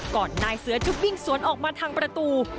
นายเสือจะวิ่งสวนออกมาทางประตู